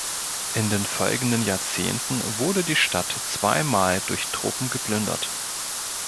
In den folgenden Jahrzehnten wurde die Stadt zwei Mal durch Truppen geplündert.